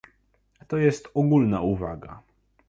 To jest ogólna uwaga